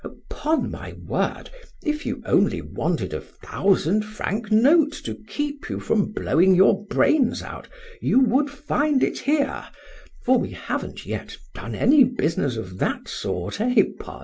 Upon my word, if you only wanted a thousand franc note to keep you from blowing your brains out, you would find it here, for we haven't yet done any business of that sort, eh, Paul?